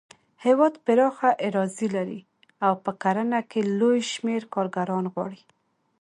هېواد پراخه اراضي لري او په کرنه کې لوی شمېر کارګران غواړي.